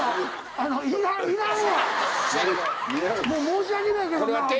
もう申し訳ないけどな。